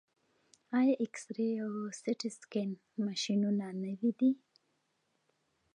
آیا اکسرې او سټي سکن ماشینونه نوي دي؟